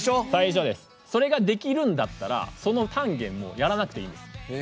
それができるんだったらその単元、やらなくていいです。